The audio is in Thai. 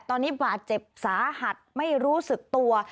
ตอนนี้บาดเจ็บสาหัสไม่รู้สึกตัว